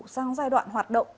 sang giai đoạn hoạt động